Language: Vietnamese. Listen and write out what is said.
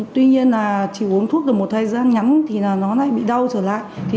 tuy nhiên chỉ uống thuốc được một thời gian nhắn nó lại bị đau trở lại